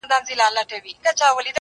o ته وایه و تیارو لره ډېوې لرې که نه,